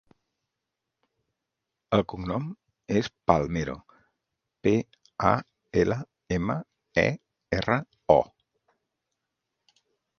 El cognom és Palmero: pe, a, ela, ema, e, erra, o.